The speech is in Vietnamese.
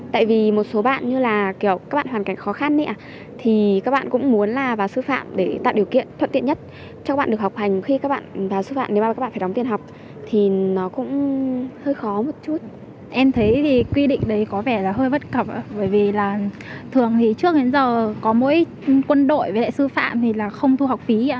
trường thì trước đến giờ có mỗi quân đội với lại sư phạm thì là không thu học phí